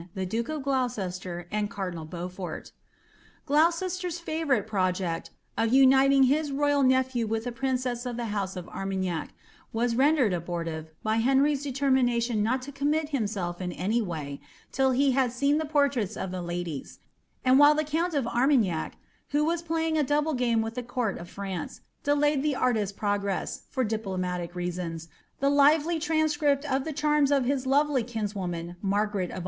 tile duke rf Gloncesier and cardinal Beaufort. Gloucester')* favourite pTojecti nf uniting his royal nephew with a prineesB of the house of Armagnac «■ re nderml abortive, hy Henry's detemiinaiion u'll to commit hUDMirhi any wnv, till he had seen the pfirlraits of the ladies;* and while ibe count of Armagnac, who was playing a douhlc game with the onrl of Prance, delayed the artist's progress, for diplomatic reasons, the lirrly IrauBCripl of the charms of his lovely kinswoman, Margarri ii